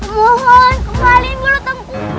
mohon kembalin bulu tengkukku